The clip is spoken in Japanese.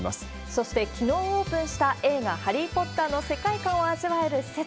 そして、きのうオープンした映画、ハリー・ポッターの世界観を味わえる施設。